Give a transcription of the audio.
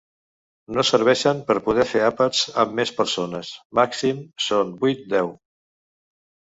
No serveixen per poder fer àpats amb més persones, màxim són vuit-deu!